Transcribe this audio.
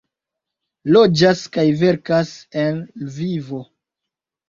Loĝas kaj verkas en Lvivo.